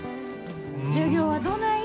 授業はどない？